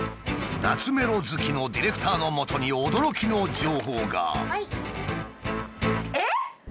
懐メロ好きのディレクターのもとに驚きの情報が。